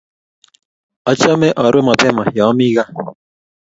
Achame arue mapema yoomi gaa